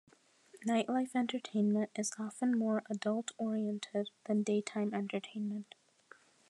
Nightlife entertainment is often more adult-oriented than daytime entertainment.